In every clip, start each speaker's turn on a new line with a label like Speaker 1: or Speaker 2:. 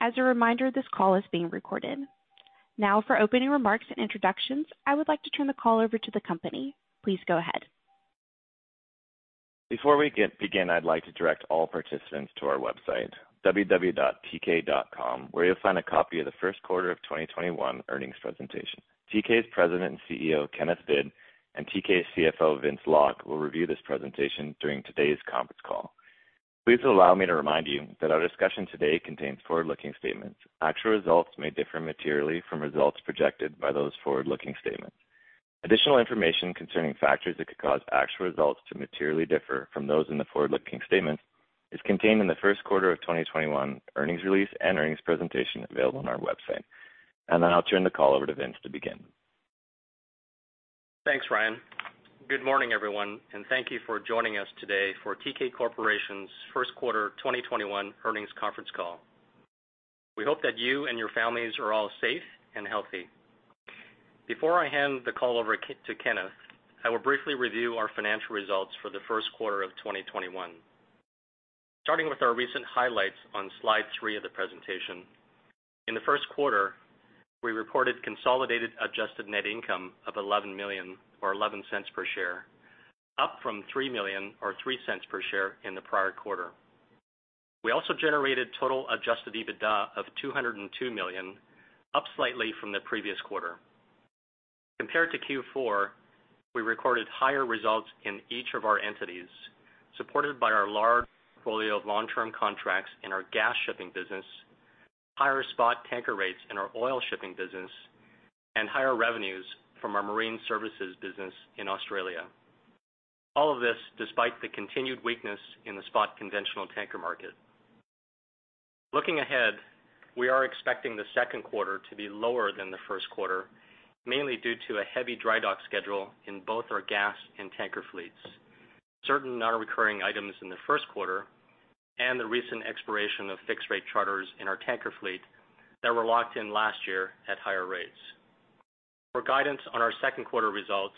Speaker 1: As a reminder, this call is being recorded. For opening remarks and introductions, I would like to turn the call over to the company. Please go ahead.
Speaker 2: Before we begin, I'd like to direct all participants to our website, www.teekay.com, where you'll find a copy of the first quarter of 2021 earnings presentation. Teekay's President and CEO, Kenneth Hvid, and Teekay CFO, Vince Lok, will review this presentation during today's conference call. Please allow me to remind you that our discussion today contains forward-looking statements. Actual results may differ materially from results projected by those forward-looking statements. Additional information concerning factors that could cause actual results to materially differ from those in the forward-looking statements is contained in the first quarter of 2021 earnings release and earnings presentation available on our website. I'll turn the call over to Vince to begin.
Speaker 3: Thanks, Ryan. Good morning, everyone, and thank you for joining us today for Teekay Corporation's first quarter 2021 earnings conference call. We hope that you and your families are all safe and healthy. Before I hand the call over to Kenneth, I will briefly review our financial results for the first quarter of 2021. Starting with our recent highlights on slide three of the presentation. In the first quarter, we reported consolidated adjusted net income of $11 million or $0.11 per share, up from $3 million or $0.03 per share in the prior quarter. We also generated total Adjusted EBITDA of $202 million, up slightly from the previous quarter. Compared to Q4, we recorded higher results in each of our entities, supported by our large portfolio of long-term contracts in our gas shipping business, higher spot tanker rates in our oil shipping business, and higher revenues from our marine services business in Australia. All of this despite the continued weakness in the spot conventional tanker market. Looking ahead, we are expecting the second quarter to be lower than the first quarter, mainly due to a heavy dry dock schedule in both our gas and tanker fleets, certain non-recurring items in the first quarter, and the recent expiration of fixed-rate charters in our tanker fleet that were locked in last year at higher rates. For guidance on our second quarter results,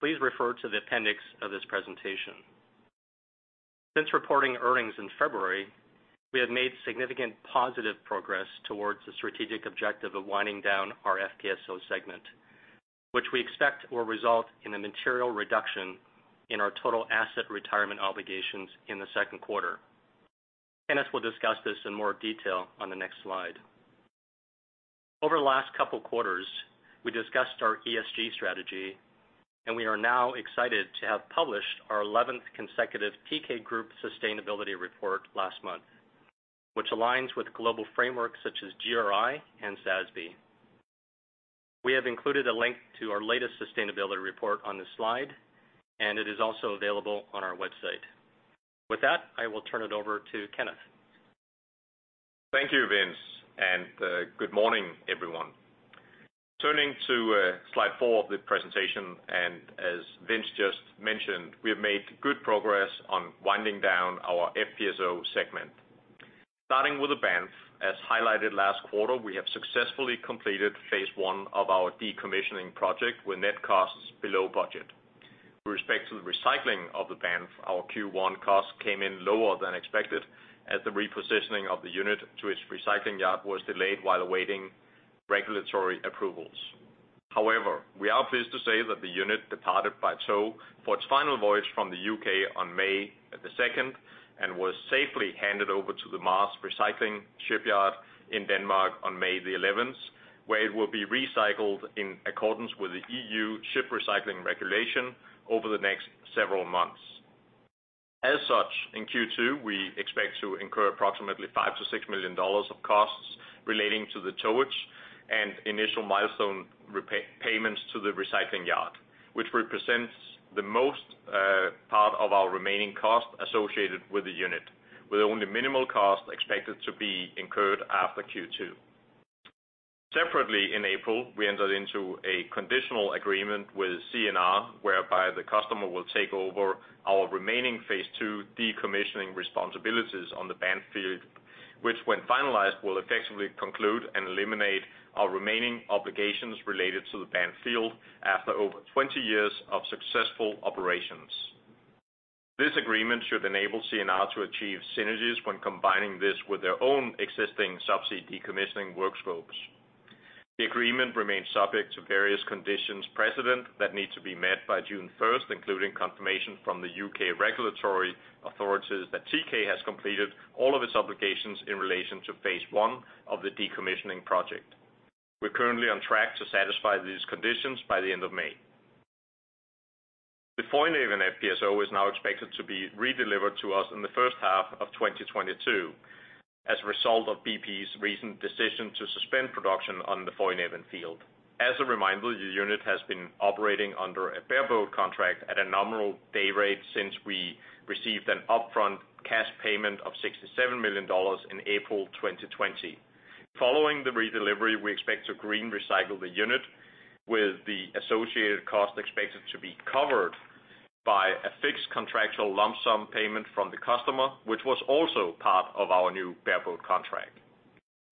Speaker 3: please refer to the appendix of this presentation. Since reporting earnings in February, we have made significant positive progress towards the strategic objective of winding down our FPSO segment, which we expect will result in a material reduction in our total asset retirement obligations in the second quarter. Kenneth will discuss this in more detail on the next slide. Over the last couple of quarters, we discussed our ESG strategy, and we are now excited to have published our 11th consecutive Teekay Group sustainability report last month, which aligns with global frameworks such as GRI and SASB. We have included a link to our latest sustainability report on this slide, and it is also available on our website. With that, I will turn it over to Kenneth.
Speaker 4: Thank you, Vince, and good morning, everyone. Turning to slide four of the presentation, as Vince just mentioned, we have made good progress on winding down our FPSO segment. Starting with the Banff, as highlighted last quarter, we have successfully completed phase I of our decommissioning project with net costs below budget. With respect to the recycling of the Banff, our Q1 cost came in lower than expected as the repositioning of the unit to its recycling yard was delayed while awaiting regulatory approvals. We are pleased to say that the unit departed by tow for its final voyage from the U.K. on May the second, and was safely handed over to the M.A.R.S, Recycling shipyard in Denmark on May the 11th, where it will be recycled in accordance with the EU Ship Recycling Regulation over the next several months. In Q2, we expect to incur approximately $5 million-$6 million of costs relating to the towage and initial milestone payments to the recycling yard, which represents the most part of our remaining cost associated with the unit, with only minimal cost expected to be incurred after Q2. In April, we entered into a conditional agreement with CNR whereby the customer will take over our remaining phase II decommissioning responsibilities on the Banff field, which when finalized, will effectively conclude and eliminate our remaining obligations related to the Banff field after over 20 years of successful operations. This agreement should enable CNR to achieve synergies when combining this with their own existing subsea decommissioning work scopes. The agreement remains subject to various conditions precedent that need to be met by June first, including confirmation from the U.K. regulatory authorities that Teekay has completed all of its obligations in relation to phase I of the decommissioning project. We're currently on track to satisfy these conditions by the end of May. The Foinaven FPSO is now expected to be redelivered to us in the first half of 2022 as a result of BP's recent decision to suspend production on the Foinaven field. As a reminder, the unit has been operating under a bareboat contract at a nominal day rate since we received an upfront cash payment of $67 million in April 2020. Following the redelivery, we expect to green recycle the unit with the associated cost expected to be covered by a fixed contractual lump sum payment from the customer, which was also part of our new bareboat contract.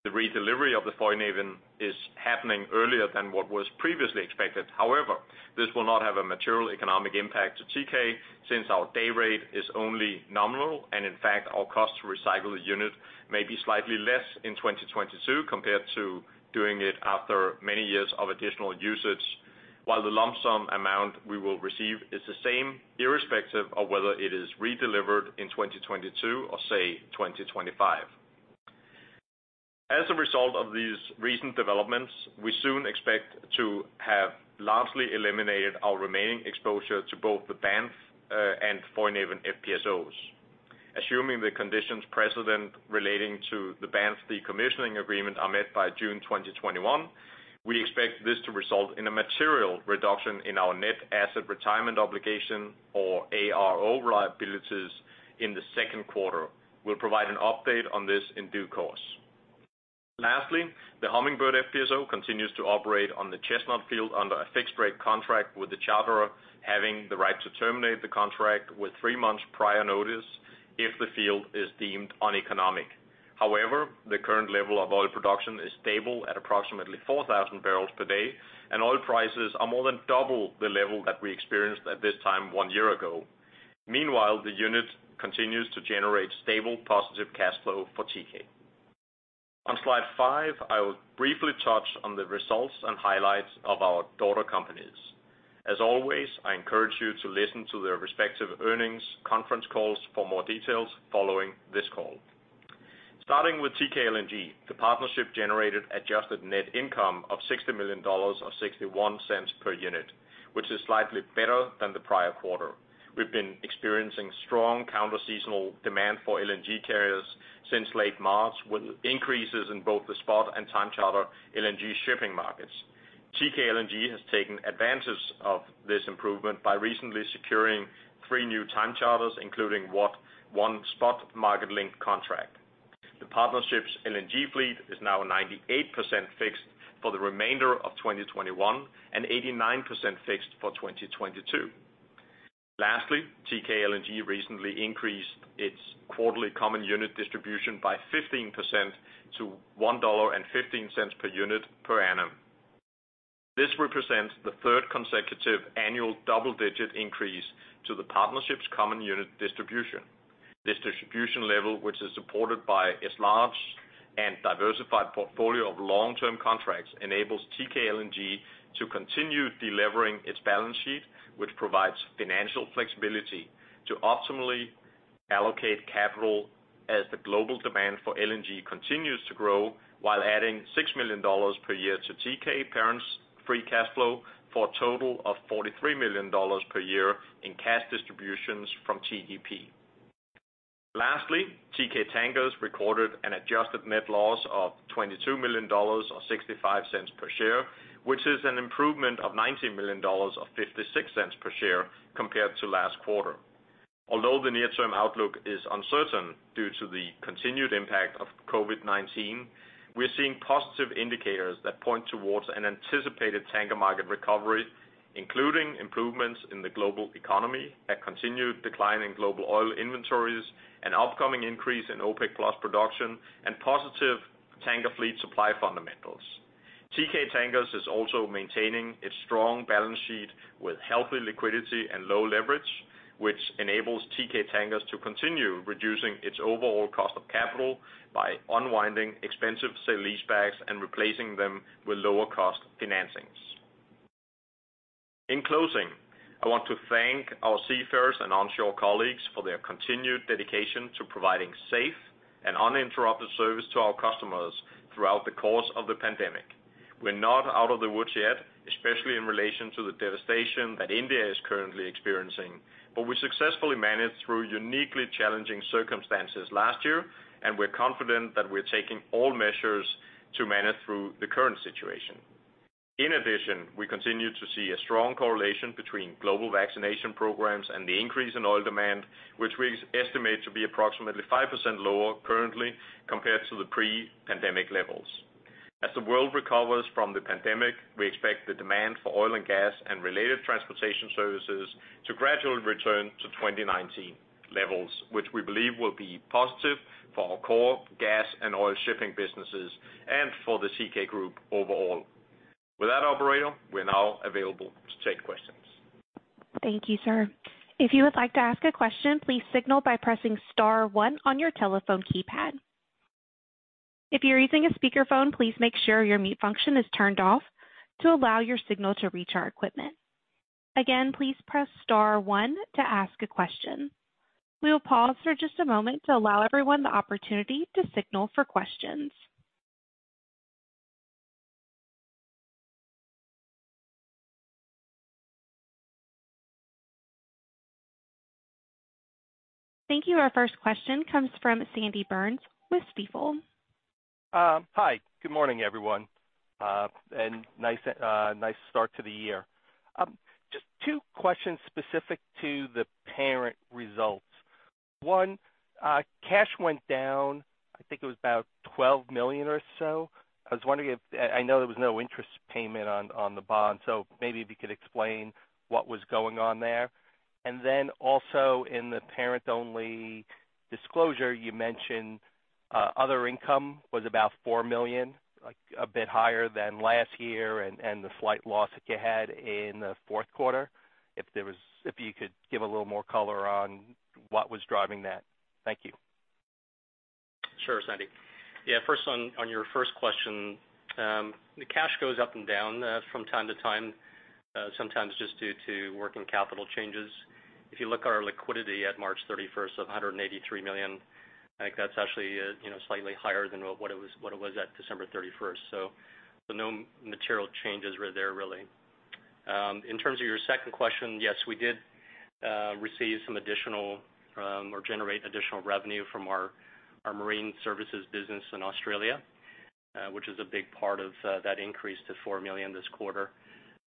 Speaker 4: The redelivery of the Foinaven is happening earlier than what was previously expected. However, this will not have a material economic impact to Teekay since our day rate is only nominal, and in fact, our cost to recycle the unit may be slightly less in 2022 compared to doing it after many years of additional usage, while the lump sum amount we will receive is the same irrespective of whether it is redelivered in 2022 or, say, 2025. As a result of these recent developments, we soon expect to have largely eliminated our remaining exposure to both the Banff and Foinaven FPSOs. Assuming the conditions precedent relating to the Banff decommissioning agreement are met by June 2021, we expect this to result in a material reduction in our net asset retirement obligation or ARO liabilities in the second quarter. We'll provide an update on this in due course. Lastly, the Hummingbird FPSO continues to operate on the Chestnut field under a fixed-rate contract with the charterer having the right to terminate the contract with three months prior notice if the field is deemed uneconomic. However, the current level of oil production is stable at approximately 4,000 barrels per day, and oil prices are more than double the level that we experienced at this time one year ago. Meanwhile, the unit continues to generate stable, positive cash flow for Teekay. On slide five, I will briefly touch on the results and highlights of our daughter companies. As always, I encourage you to listen to their respective earnings conference calls for more details following this call. Starting with Teekay LNG, the partnership generated adjusted net income of $60 million or $0.61 per unit, which is slightly better than the prior quarter. We've been experiencing strong counter-seasonal demand for LNG carriers since late March, with increases in both the spot and time charter LNG shipping markets. Teekay LNG has taken advantage of this improvement by recently securing three new time charters, including one spot market-linked contract. The partnership's LNG fleet is now 98% fixed for the remainder of 2021 and 89% fixed for 2022. Lastly, Teekay LNG recently increased its quarterly common unit distribution by 15% to $1.15 per unit per annum. This represents the third consecutive annual double-digit increase to the partnership's common unit distribution. This distribution level, which is supported by its large and diversified portfolio of long-term contracts, enables Teekay LNG to continue delevering its balance sheet, which provides financial flexibility to optimally allocate capital as the global demand for LNG continues to grow while adding $6 million per year to Teekay parent's free cash flow for a total of $43 million per year in cash distributions from TGP. Lastly, Teekay Tankers recorded an adjusted net loss of $22 million, or $0.65 per share, which is an improvement of $19 million or $0.56 per share compared to last quarter. Although the near-term outlook is uncertain due to the continued impact of COVID-19, we are seeing positive indicators that point towards an anticipated tanker market recovery, including improvements in the global economy, a continued decline in global oil inventories, an upcoming increase in OPEC+ production, and positive tanker fleet supply fundamentals. Teekay Tankers is also maintaining its strong balance sheet with healthy liquidity and low leverage, which enables Teekay Tankers to continue reducing its overall cost of capital by unwinding expensive sale leasebacks and replacing them with lower-cost financings. In closing, I want to thank our seafarers and onshore colleagues for their continued dedication to providing safe and uninterrupted service to our customers throughout the course of the pandemic. We're not out of the woods yet, especially in relation to the devastation that India is currently experiencing. We successfully managed through uniquely challenging circumstances last year, and we're confident that we're taking all measures to manage through the current situation. In addition, we continue to see a strong correlation between global vaccination programs and the increase in oil demand, which we estimate to be approximately 5% lower currently compared to the pre-pandemic levels. As the world recovers from the pandemic, we expect the demand for oil and gas and related transportation services to gradually return to 2019 levels, which we believe will be positive for our core gas and oil shipping businesses and for the Teekay Group overall. With that, operator, we are now available to take questions.
Speaker 1: Thank you, sir. If you would like to ask a question, please signal by pressing star one on your telephone keypad. If you're using a speakerphone, please make sure your mute function is turned off to allow your signal to reach our equipment. Again, please press star one to ask a question. We will pause for just a moment to allow everyone the opportunity to signal for questions. Thank you. Our first question comes from Sanford Burns with Stifel.
Speaker 5: Hi. Good morning, everyone, nice start to the year. Just two questions specific to the parent results. One, cash went down, I think it was about $12 million or so. I was wondering. I know there was no interest payment on the bond, so maybe if you could explain what was going on there. Also in the parent-only disclosure, you mentioned other income was about $4 million, a bit higher than last year, and the slight loss that you had in the fourth quarter. If you could give a little more color on what was driving that. Thank you.
Speaker 3: Sure, Sandy. First on your first question, the cash goes up and down from time to time, sometimes just due to working capital changes. If you look at our liquidity at March 31st of $183 million, I think that's actually slightly higher than what it was at December 31st. No material changes were there really. In terms of your second question, yes, we did receive some additional or generate additional revenue from our Marine Services business in Australia, which is a big part of that increase to $4 million this quarter.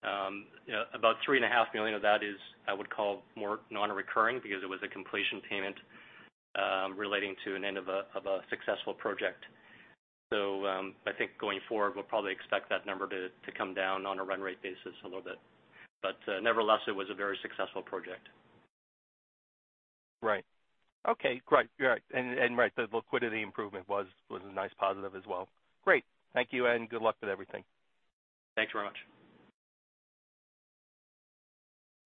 Speaker 3: About $3.5 million of that is, I would call, more non-recurring because it was a completion payment relating to an end of a successful project. I think going forward, we'll probably expect that number to come down on a run rate basis a little bit. Nevertheless, it was a very successful project.
Speaker 5: Right. Okay, great. You are right. Right, the liquidity improvement was a nice positive as well. Great. Thank you, and good luck with everything.
Speaker 3: Thanks very much.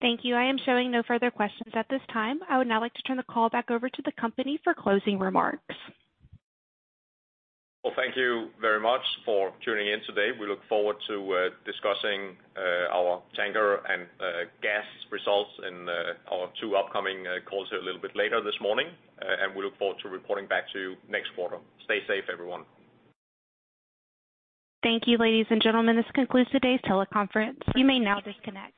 Speaker 1: Thank you. I am showing no further questions at this time. I would now like to turn the call back over to the company for closing remarks.
Speaker 4: Well, thank you very much for tuning in today. We look forward to discussing our tanker and gas results in our two upcoming calls here a little bit later this morning. We look forward to reporting back to you next quarter. Stay safe, everyone.
Speaker 1: Thank you, ladies and gentlemen. This concludes today's teleconference. You may now disconnect.